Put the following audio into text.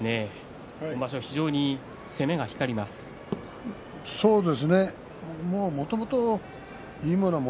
今場所、非常に攻めが光ります。